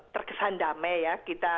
terkesan damai ya